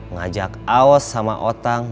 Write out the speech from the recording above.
ngajak awas sama otang